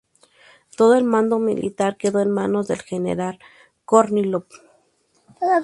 Todo el mando militar quedó en manos del general Kornílov.